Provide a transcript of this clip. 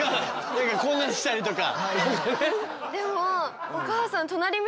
何かこんなんしたりとか。